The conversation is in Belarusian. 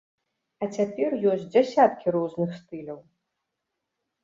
А цяпер ёсць дзясяткі розных стыляў.